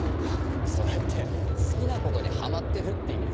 それって好きな事にはまってるって意味ですよ。